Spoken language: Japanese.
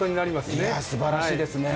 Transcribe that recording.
すばらしいですね。